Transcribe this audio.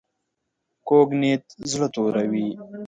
کوږ نیت زړه توروي